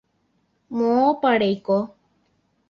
Moõpa reiko.